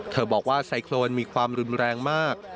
บอกว่าไซโครนมีความรุนแรงมาก